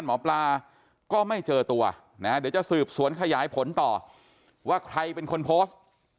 หมอปลาก็ไม่เจอตัวนะเดี๋ยวจะสืบสวนขยายผลต่อว่าใครเป็นคนโพสต์